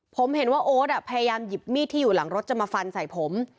ผมเห็นว่าโอ๊ตพยายามหยิบมีดที่อยู่หลังรถจะมาฟันใส่ผม